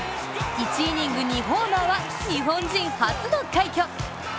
１イニング２ホーマーは日本人メジャーリーガー初の快挙。